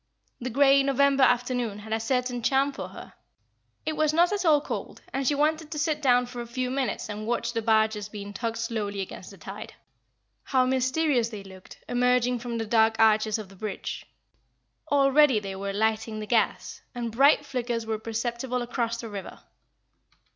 The grey, November afternoon had a certain charm for her. It was not at all cold, and she wanted to sit down for a few minutes and watch the barges being tugged slowly against the tide. How mysterious they looked, emerging from the dark arches of the bridge! Already they were lighting the gas, and bright flickers were perceptible across the river.